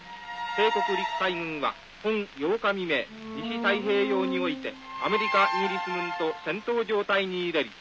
帝国陸海軍は本８日未明西太平洋においてアメリカイギリス軍と戦闘状態に入れり」。